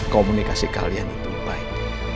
komunikasi kalian itu baik